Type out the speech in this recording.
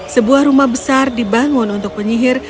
sebuah rumah besar dibangun untuk penyihir